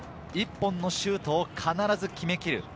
１本のシュートを必ず決めきる。